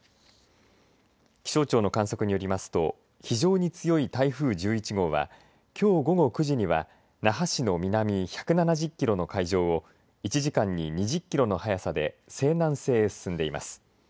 気象庁の観測によりますと非常に強い台風１１号はきょう午後９時には那覇市の南１７０キロの海上を１時間に２０キロの速さで西南西へ進んでいます。